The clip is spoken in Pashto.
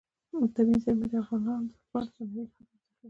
طبیعي زیرمې د افغانانو لپاره په معنوي لحاظ ارزښت لري.